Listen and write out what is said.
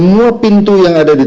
jadi kita buat tim adjuster